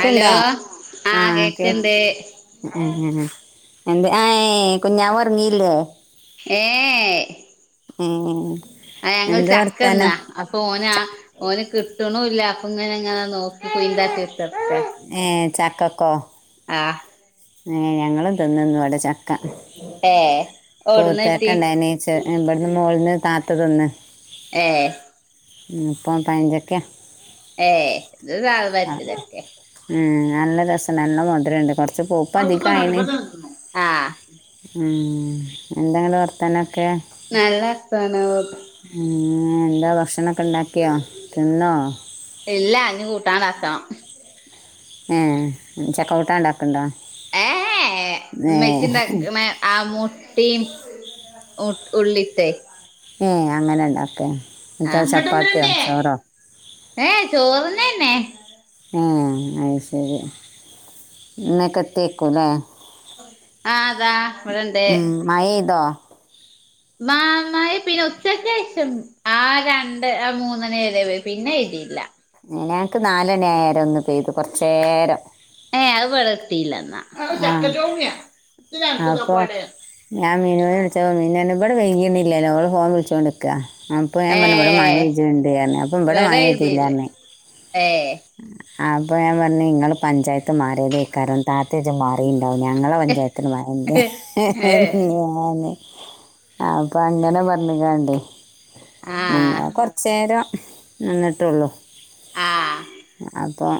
Hello. ആഹ് കേൾക്കുന്നുണ്ട്. ആഹ് എന്ത് എ കൊഞ്ഞാവ ഒറങ്ങിയില്ലേ. ഏ ആ ആ ഞങ്ങൾ ചക്കന്നാ അപ്പൊ ഓന് ച ഓന് കിട്ടണുല്ല അങ്ങനെങ്ങനെ നോക്കി കുയിന്താട്ടി കുത്തർക്ക ഏഹ് ചക്കക്കോ ആഹ് ഞങ്ങളും തിന്നുന്നുു ഇവിടെ ചക്ക ഏ ഓടുന്ന് പോത്തേക്കെ കിട്ടി ഇണ്ടായിന ഇവിടുന്ന് മോളന്ന് താത്തതൊന്ന് ഏഹ് പ്പ പഴചക്കെ ഏയ് ഇത് സാധ ആഹ് വരിക്കചക്കെ ഉം നല്ല രസം നല്ല മധുരം ഉണ്ട് കൊറച്ച് പൂപ്പ് അധികായിണ് [unintelligible] ആഹ് എന്താങ്ങട്ട് വർത്തനം നല്ല വർത്താനം ഉം എന്താ ഭക്ഷണൊക്കെ ഇണ്ടാക്കിയോ തിന്നോ ഇല്ല അഞ്ഞ് കൂട്ടാ ണ്ടാക്കണം ഏ ചക്ക കൂട്ടാണ്ടാ ഇണ്ടാക്ക്ണ്ടോ ഏ മെച്ചിണ്ടാ ആ മുട്ടിം ഉ ഉള്ളിട്ട് ഏയ് അങ്ങനെ ഉണ്ടാക്കെ ആ [unintelligible] ഏ ചോറന്നന്നെ ആ അത്ശരി ഇന്നൊക്കെ എത്തു യ്ക്കൂ ലെ ആഹ് അതാ ഇവിടെണ്ട് ഉം മഴയ്തോ മാമഴ പിന്നെ ഉച്ചക്ക്ശേഷം ആ രണ്ട് ആ മൂന്നര വരെ പിന്നെ പെയ്തില്ല ഞക്ക് നാലണി ആയേര ഒന്ന് പെയ്തു കൊറച്ച് നേരം ഏ അത് വടെത്തിയില്ല ആഹ് ഞങ്ങക്ക് അപ്പൊ ഇതൊക്കെപാടെ ഞാൻ മീനുനെ വിളിച്ചപ്പം മീനു തന്നെ ഇവിടെ പെയ്യ്യണില്ലല്ലോ ഓള് ഫോൺ വിളിച്ചൊണ്ട്ക്കുക അപ്പൊ ഞാൻ പറഞ് ഇവിടെ ഏഹ് മഴജണ്ട് അപ്പൊ ഇവിടെ മഴത്തില്ലായിഞ്ഞേ ഏഹ് ആ അപ്പൊ ഞാൻ പറഞ്ഞു ഇങ്ങള് പഞ്ചായത്ത് മാറിയതിക്കാരും ത അത്യത് മാറിുണ്ടാാവും ഞങ്ങളെ പഞ്ചായത്തിന് മഴണ്ട് ഏഹ് ഞൻ അപ്പൊ അങ്ങനെ പറഞ്ഞ് കാണ്ടേ പിന്നെ ആഹ് കൊറച്ച് നേേരം വന്നിട്ടുള്ളൂ അപ്പം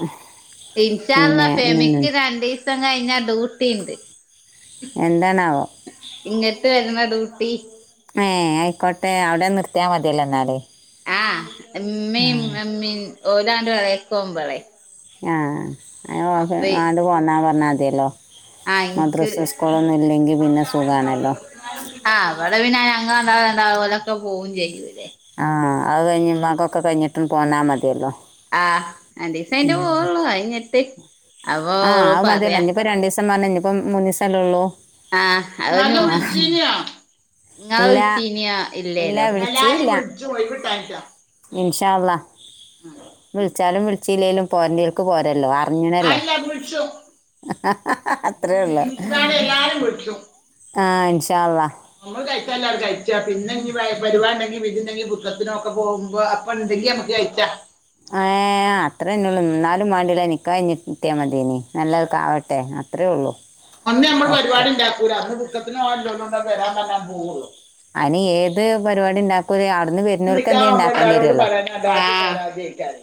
ഇൻഷാള്ള ഫെമിക്ക് രണ്ടു ദിവസം കഴിഞ്ഞ ഡ്യൂട്ടി ഉണ്ട് എന്താണാവോ വരണ ഡ്യൂട്ടി ഏ കോട്ടെ അവിടെ നിർത്തയാൽ മതിയല്ലോ എന്നാല് ആഹ് എമ്മയും അമ്മീ ഓലാണ്ട് വളയക്കുമ്പോളെ ആ ഓ അത് പോന്നാ പറഞ്ഞാൽ മതില്ലോ ആഹ് എനിക്ക് പിന്നെ സുഖാണല്ലോ ആഹ് അവിടെ പിന്നെ ഞങ്ങള് രണ്ടാളും ഓലൊക്കെ പോവയും ചെയ്യും ആഹ് അത് കഴിഞ്ഞ് മ്മാക്കൊക്കെ കഴിഞ്ഞിട്ടും പോന്നാ മതിയല്ലോ ആഹ് രണ്ടീസായിട്ടെ പോവള്ളു അത് ഇഞ്ഞിട്ട് ആഹ് ആ മതിയല്ലോ ഇനിപ്പോ രണ്ടു ദിവസം പറഞ്ഞ ഇനിപ്പോ മൂന്ന് ദിവസമല്ലേ ഉള്ളൂ. ആഹ നിങ്ങൾ ആ. ഇല്ല വിളിച്ചിന്യാ ഇല്ല ഇല്ലേലോ ഇൻഷാ അള്ളാ വിളിച്ചാലും വിളിച്ചില്ലേലും പോരേണ്ടിവർക്ക് പോരല്ലോ. അറിഞ്ഞണല്ലോ ആരെല്ലാം വിളിച്ചു അത്രേ ഉള്ളു ഇപ്പോഴാണേ എല്ലാരും വിളിക്കും ആ ഇൻഷാല്ല നമ്മൾ കഴിച്ചല്ലും കഴിച്ചാ പിന്നെങ്ക പരിപാടണ്ടെങ്കിൽ വിധിയുണ്ടെങ്കിൽ പിക്നിക്കിനൊക്കെ പോകുമ്പോ അപ്പൊ ഇണ്ടെങ്കി നമുക്ക് കഴിച്ചാ ആ അത്ര ന്നാലും വാണ്ടില നിക്കാഹ് കയിഞ്ഞിട്ടിയ മതിനി നല്ലത്ക്കാവട്ടെ അത്രേ ഉള്ളൂ അന്ന് നമ്മൾ ഓക്കെ പരിപാടി ഉണ്ടാക്കൂല, അന്ന് ദുഖത്തിനല്ലോന്നണ്ട വരാൻ പറയാൻ പോവുള്ളു അന്, ഏത്, പരിപാടി, ണ്ടാക്കും മിക്കാ, ആൺപിള്ളേരോട്, പറയാന, അതാണ്, [unintelligible]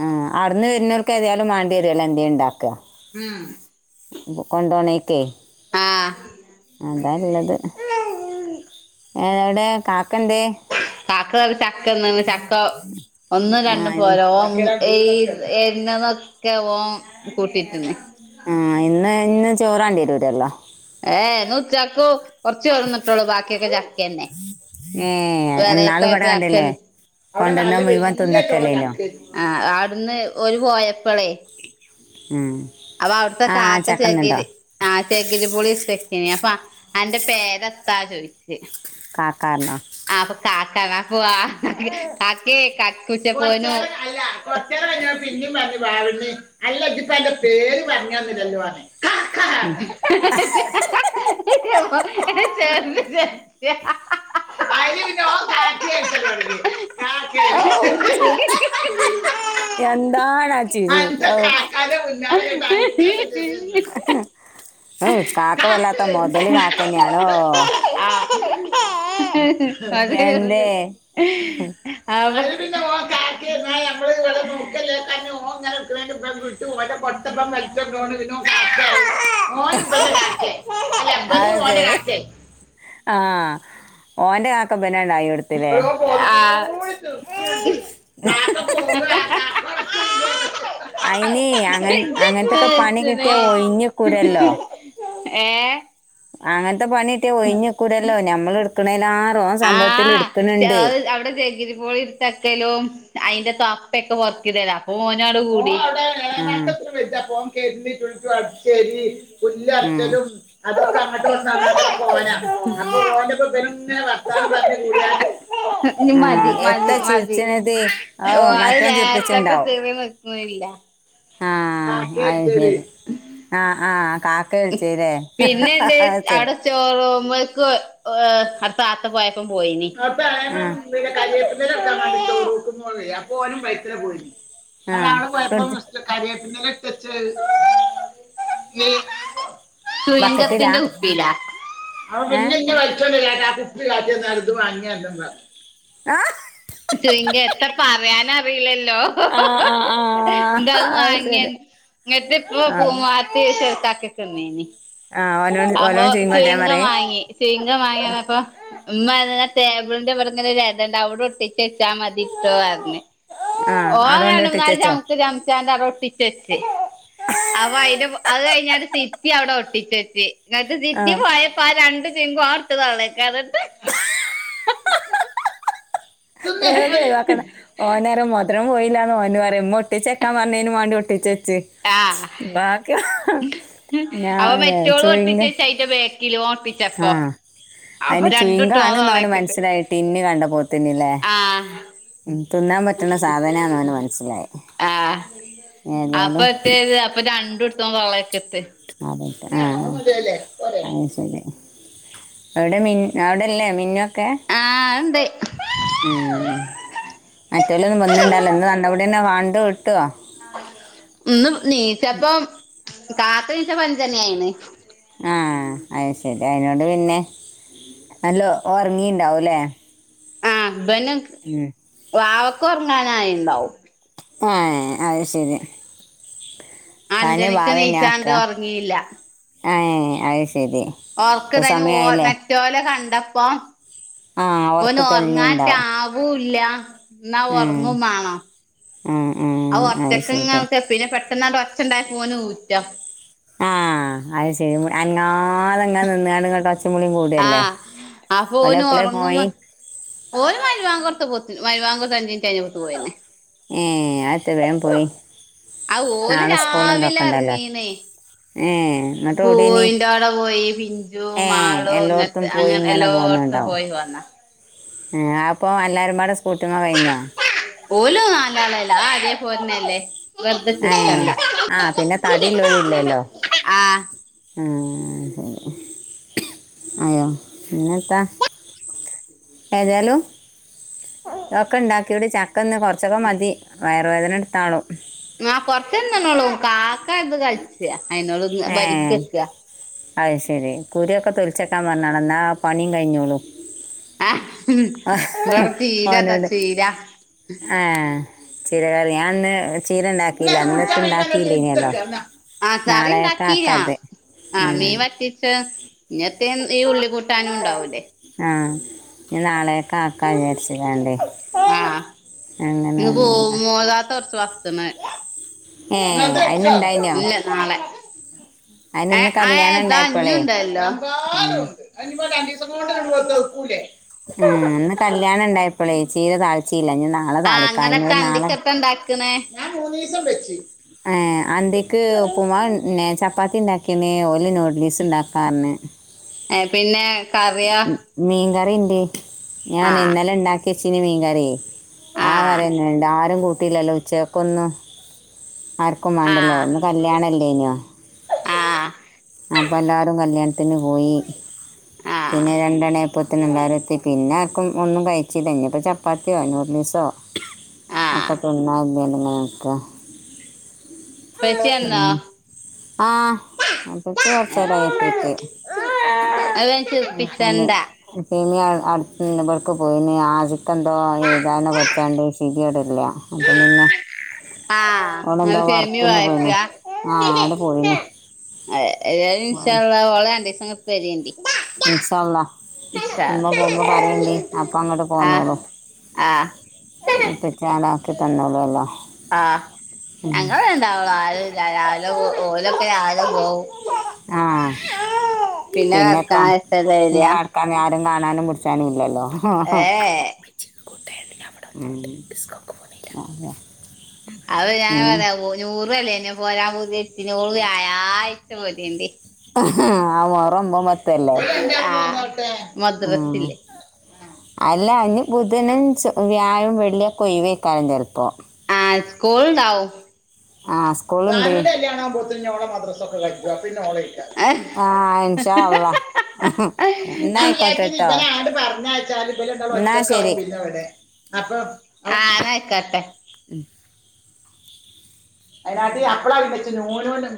ആ, അടന്ന്, വരുന്നവർക്ക്, ഏതായാലും, വേണ്ടി, വരില്ലോ, എന്ത്യ, ഉണ്ടാക്ക ഉം കൊണ്ടോണെക്കെ ആഹ് അതല്ലത്, ഏടെ, ക കാക്ക, ചക്കന്ന്, ചക്ക, ഒന്നും, ആ രണ്ടും, പോര, ഇൻ- ഓ എ എന്നന്നൊക്കെ, ഓ, കൂട്ടിട്ടന്ന് ആ, ഇന്ന്, ഇന്ന്, ചോറാണ്ടിരൂരല്ലോ ഏ, ഇന്നുച്ചാകും കൊറച്ച് വറന്നിട്ടുള്ളൂ, ബാക്കിയൊക്കെ ജാസ്തി തന്നെ. ഏ വേള എന്നാള് ഇവിടെ [unintelligible] കണ്ടില്ലേ അവിടെ കൊണ്ടുവന്ന നല്ല മുഴുവൻ വെല്യ ചൊള തിന്നക്കല്ലേനോ ചക്കയിരുന്നു. ആ അവിടുന്ന് ഓര് പോയപ്പളെ മം അവ അവിടുത്തെ കാക്ക ചകിരി, ആ ചകിരി പൊളി ഏനപ്പാ അന്റെ പേരെന്താ ചോദിച്ച് കാക്കാറിനോ ആ, അപ്പൊ, കാക്ക, കാ, പോവാ, കാക്കെ, ക, കുൂച്ച, പോനു ഒറ്റേറെ പറഞ്ഞ പിന്നീം പറഞ്ഞു വാവി അല്ലങ്കി ഇപ്പ എന്റെ പേര് പറഞ്ഞന്നില്ലല്ലോ, അനേ ഉം, ആഹ്ഹ്, ഹഹ [unintelligible] ഔ കാക്കി ചേച്ചി ഹ ഹ ഹ എന്താണച്ചിരി, അന്റെ ഔ കാക്കാന്റെ [unintelligible] ആ ഹ്‌ ഓ കാക്ക വല്ലാത്ത മുതല് കാക്കയന്യണോ ഇ ഹ്, ഇ ഹ് അതേ, എന്തേ അതെ [unintelligible] [unintelligible] അത് ശരി ആ [unintelligible] ഓന്റെ ആക്കം [unintelligible] അയിന് അങ്ങന ഇജ്ജ് അങ്ങനത്തൊക്കെ പണി ഇത്ര വെച്ചത്. കിട്ടിയ ഒയിഞ്ഞ് കുരല്ലോ? ഏ അങ്ങനത്തെ പണി കിട്ടിയ ഒഴിഞ്ഞ കൂടല്ലോ, ഞമ്മൾ എടുക്കണേലാർ ഓൻ സാമ്പത്ത് ആ [unintelligible] ഓൾ ഇരുത്തക്കലും അയിന്റെ തപ്പയെക്കെ വർക്കിതരാ ഓനോട്‌ കൂടി. ആഹ് [unintelligible] എല്ലാ ആഹ് ആഴ്ചയിലും അതൊക്കെ അങ്ങട്ട് തന്നാണ് പോണ അപ്പോ ഓന്റെ മൊബൈൽ ഇങ്ങനെ വെക്കാ [unintelligible] നി, മതി, ആഹ് മതി, എത്താ മതി, ചിരിച്ചണത് ഓ, അ മറ്റോൻ ചിർപ്പിച്ചിണ്ടാവും നേരത്തതെ [unintelligible] ഇല്ലാ ആ ആഹ് ഒക്കെ അത് ശരി. ആഹ് ആഹ് കാക്ക മം വിളിച്ചല്ലേ പിന്നെണ്ടെ അത് ശരി അവിടെ സ്റ്റോർ റൂമക്ക് [unintelligible] ആ താത്ത പോയപ്പം പോയനി. [unintelligible] നോക്കുമ്പോ ആഹ് അപ്പ അവനും വൈത്തല പോയിന് ആഹ് അതാണ് ഫ്രിഡ്ജ് കുഴപ്പംസ് കരിയ പിന്നെെട്ടച്ച ബക്കറ്റിലാ സയങ്കത്തിന്റെ, കുപ്പയിലാ കു, ഏഹ് കാട്ടി, അത്, വാങ്ങിയണ്ട ഏ [unintelligible] എത്ര, പറയാനറിയില്ലല്ലോ ആഹ് ആഹ് ആഹ് എന്ത, അത്, വാങ്ങിയ, ശരി ഇങ്ങട്ട, ഇപ്പ, ആഹ് [unintelligible] പോത്ത, ചെർുക്കാക്കക്കുന്നേനി ആഹ് ഓനോട് അപ്പൊ ഓലോട് ചീങ്ങോട്ടാൻ [unintelligible] പറയേ വാങ്ങി [unintelligible] വാങ്ങിയന്നപ്പൊ ഉമ്മാ [unintelligible] ടബിളിന്റെ, പുറങ്ങനതണ്ട് അവിടെ ഒട്ടിച്ച് വെച്ചാ മതിട്ടോ അന്ന് പറഞ്ഞ ആഹ് അവിട ഓങ്ങ, കൊണ്ട് നല്, ഇട്ടിച്ചച്ചോ ചമ, ചമച്ചന്റെറൊട്ടിച്ചെച്ച് അപ്പ അതിന്റെ അത് ഞ ഒരു സിറ്റി അവിടെ ഒട്ടി വെച്ച് ഇങ്ങ് സിറ്റി ആഹ് പോയപ്പോ ആ രണ്ട് ചിമ്പ് ഓർത്ത തള്ള ഏത് ഒഴിവാക്കുന്ന ഓന്നേരം മത ഇത്ര പോയില്ലോന്ന് പറഉമ്മ ഒട്ടിച്ചെക്കാൻ പറഞ്ഞതിന് വേണ്ടി ഒട്ടിച്ച ആ അപ്പ ഞാന് മെറ്റോള് ഒട്ടിച്ചു ചുയിങ് വെച് അതിന്റെ ബാക്ക് ഓർപ്പിച്ചപ്പോ അതിന് ചുയിങ്കം ആണ് എന്ന് അവന് മനസ്സിലായി ടിന്ന് കണ്ടപോ ത്തന്നില്ലേ ആഹ് ഉ തിന്നാൻ പറ്റുന്ന സാധനാെന്ന് അവന് മനസ്സിലായി ആഹ് അപ്പൊ ഏതായാലും എത് അപ്പൊ രണ്ടിടത് വളക്കെ [unintelligible] ആ ആ പോരെ അത് ശരി അവിടെ മി അവിടെല്ലേ മിന്നു ആ ഉണ്ട് ഉം മറ്റല്ല ഒന്നും വന്നണ്ടാലോ ഇന്ന് നന്നപടന്നെ വാണ്ട ഇട്ടുവോ ഒന്ന് നീച്ചപ്പ കാത്ത നീച്ച അഞ്ജണി ആയിണ് ആഹ് അത് ശരി അതിനോണ്ട് പിന്നെ നല്ല ഉറങ്ങിണ്ടാവല്ലേ അബന വാവക്ക് ഉറങ്ങാനായി ഉണ്ടാവും ആ അത് ശരി താനെ അഞ്ചണിക്ക് ബാവന്നെ ആക്ക നീച്ചാണ്ട് ഉറങ്ങിയില്ല ആഏ ഓർക്ക തന് ഓ മറ്റോലെ കണ്ടപ്പ ആ ഉറക്ക ഓന് ഉറങ്ങാട്ട തെളിഞ്ഞിണ്ടാവും ആവൂല്ല എന്നാ ഉം ഉറങ്ങും മാണം ഉം ആ ഉം അത് ഒറ്റക്ക്‌ ശരി ഇങ്ങക്കെ പിന്നെ പെ പെട്ടന്നാണ്ട് ഒച്ച്ണ്ടായി പോന ഊറ്റ ആ അത് ശരി അങ്ങാതെങ്ങ നിന്ന ഇങ്ങോട്ട് ഒച്ചമുളിയും ആ കൂടിയല്ലേ അപ്പൊ ഓലെ ഓന് എപ്പളേ പോയി ഉറങ്ങുമ്പോ ഓരു മഹരിബ് ബാക്ക് കൊടുത്ത പോ മഗിരിബ് ബാക്ക് അഞ്ഞ്ഞി കഴിഞ്ഞോട്ട് പോയിന് ഏ ആത്തെ വേൻ പോയി ആ ഓല് നാളെ സ്കൂളും ഇതൊക്കെ രാവിലെ ഉണ്ടല്ലോ ഇറങ്ങീനേ ഏ എന്നിട്ട് എവിടെനി പൂവിൻന്റെ അടെ പോയി പിഞ്ചു ഏ മാളും എല്ലായിടത്തും അങ്ങത്തെ പോയി അങ്ങനെ എല്ലോത്ത പോയ് വന്ന ആ അപ്പൊ എല്ലാരുംടെ ഓലു നാലളല്ല അതേ പോന്നെല്ലേ ഏ ആ പിന്നെ തടി ഒല്ലോര് ഇല്ലല്ലോ ആഹ് ആ അയോ എന്നെത്താ ഏതായാലും ഇത ഒക്കെ ഉണ്ടാക്കി ഇവിടെ ചക്ക ഒന്ന് കുറച്ചൊക്കെ മതി വയറുവേദന എടുത്താളൂ ആ പൊറത്തെന്തന്നോള്ളൂ കാക്ക ഇത് കളിച്ച അയിന്നോള് ഒന്ന് ഏ വരിക്ക് വക്കുക അത് ശരി കുരുവെക്കെ തൊലിച്ചേക്കാൻ പറഞ്ഞാണ് എന്നാൽ പണിയും കഴിഞ്ഞോളൂ ആ ഇ ചീരാതാ ഓനോട് ചീരാ ആ ചീര കാര്യ ഞാൻഅന്ന് ചീര ഉണ്ടാക്കിയില്ല എന്നിട്ട് ഉണ്ടാക്കിയില്ല ഇനല്ലോ ആഹ് കറി നാളെ ഉണ്ടാക്കീനാ തക്കതെ ഇങ്ങത്തെ ഈ ഉള്ളി കൂട്ടാനും ഉണ്ടാവൂലേ ആഇനി നാളെയെ കാക്ക വിചാരിച്ച വണ്ടേ ആഹ് അങ്ങന ഇന്ന് വന്നതാ പോകാത്ത കൊറച്ച് ഏ അതിനുണ്ടായിനോ ഇല്ല നാളെ അതിനിന്ന് കല്യാണം ആതാ ഉണ്ടായപ്പോളേ അഞ്ഞുണ്ടല്ലോലണ്ട് ഉം ഉ അന്ന് കല്യാണം ഇണ്ടായപ്പോളെ ചീര താഴ് ആ അങ്ങടൊക്കെ അന്തിക്കക്കെ ഇണ്ടാക്കണേ ആ അന്തേക്ക് ഉപ്പ്‌ മാവ് പ്പ [unintelligible] ഉണ്ടാക്കിയനേ ഒഓലി [unintelligible] നൂഡിൽസ് ഉണ്ടാക്കാറ [unintelligible] ഏ പിന്നെ കറിയേ കറിണ്ട് ഞാൻ ഇന്നലെ ഉണ്ടാക്ക കെച്ചിന [unintelligible] മീൻ കറിയ ആ കറിന്നെണ്ട [unintelligible] ആരും കൂട്ടിയില്ലല്ലോ ഉച്ചക്കൊന്ന് ആർക്കും ആ വേണ്ടല്ലോ ഒന്ന് കല്യാണല്ലേനോ ആ അപ്പം എല്ലരും കല്യാണത്തിന് പോയി ആ പിന്നെ രണ്ടെണപ്പത്തിനണ്ടായിരത്തി [unintelligible] പിന്നെ ഒന്നും കഴിച്ചില്ല ഇനിഎപ്പോ ചപ്പാത്തിയോ നൂഡൽസോ ആ അക്കട്ടന്ന [unintelligible] മങ്ങക്കെ ഉപ്പച്ചി വന്നോ ഉ ആഹ കു വർച്ചര [unintelligible] എത്തിട്ട് അത് ഞാൻ [unintelligible] ചിരിപ്പിച്ചണ്ട [unintelligible] അടു [unintelligible] ഇവിളക്ക് പോയിന്ന് ആ ചിക്കൻന്തോ ഇതന്ന പടിച്ചാണ്ട് [unintelligible] ഷവിഗിയോടല്ല [unintelligible] അപ്പം പിന്നെ ആഹ അത് അവളെന്തോ സമി വർക്കിന് വായിച്ച പോയിന് ആ അവിടെ പോയിന് [unintelligible] ഏ ഇൻഷാ അള്ളാ പരിയേണ്ടി ഇൻഷാ അള്ളാ നിമ്മ പോകുമ്പോ പറയണ്ടി അപ്പ അങ്ങോട്ട് പോന്നോളു ആഹ് ഇപ്പൊ [unintelligible] ആക്കി തന്നോളല്ലോ ആഹ ഞങ്ങള് ഉണ്ടാവുള്ളു ആരും രാവിലെ ഓലൊക്കെ പോവും ആഹ പിന്നെ കടക്കാൻ പിന്നെക്കാ നേരത്തല്ലേ പിന്നെ വരാ കടക്കാ ആ കാണാനും പടിച്ചാനും ഇല്ലല്ലോ ഏ [inaudible] അവിടെ ബിക്കെ പോ [unintelligible] അ ഞാൻ പറയാ നൂറ അല്ലേെ പോരാ [unintelligible] പുതിച്ച ആ [unintelligible] പോതി എതി ആ [unintelligible] മത്തല്ലേ ആഹ് ഉ മദ്രസില്ലേ അല്ല ബുധൻ, വ്യാഴം, വെള്ളി കൊെയവേക്കാലം ചെലുപ്പോൾ ആഹ കോൾഡ [unintelligible] ആവ ആ സ്കൂളുണ്ട് സാനല കല്യാണകുമ പോത്ത [unintelligible] ഞളടെ മദ്രസ ഒക്കെ കഴിക്കുവവാ പി [unintelligible] ന്നെ ഓള ഇല്ല ആ ഇൻഷാ അള്ളാ എന്നാ ഞാൻ ആയിക്കോട്ടെ വിചാച്ച കേട്ടോ ഇപ്പനെ ആട് പറഞ്ഞ എന്നാ ഒറ്റക്ക ശരി ആവ്പില്ല [unintelligible] അവിടെ [unintelligible] അതിന് ആദ്യം അവളെ വെച്ച് നൂനൂ